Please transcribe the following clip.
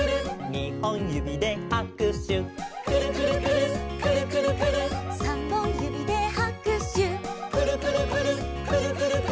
「にほんゆびではくしゅ」「くるくるくるっくるくるくるっ」「さんぼんゆびではくしゅ」「くるくるくるっくるくるくるっ」